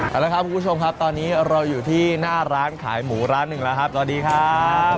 เอาละครับคุณผู้ชมครับตอนนี้เราอยู่ที่หน้าร้านขายหมูร้านหนึ่งแล้วครับสวัสดีครับ